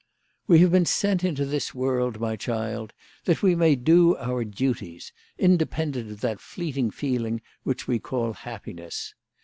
" "We have been sent into this world, my child, that we may do our duties, independent of that fleeting feeling which we call happiness.